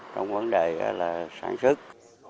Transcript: trong vấn đề sản xuất